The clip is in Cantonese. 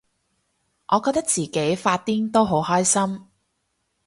我覺得自己發癲都好開心